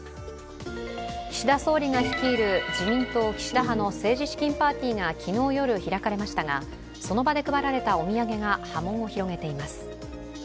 岸田総理が率いる自民党岸田派の政治資金パーティーが昨日夜開かれましたがその場で配られたお土産が波紋を広げています。